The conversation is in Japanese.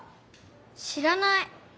知らない。